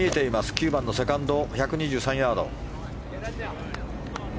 ９番のセカンド１２３ヤード。